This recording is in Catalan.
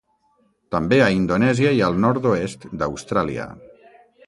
També a Indonèsia i al nord-oest d'Austràlia.